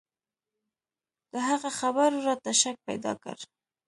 د هغه خبرو راته شک پيدا کړ.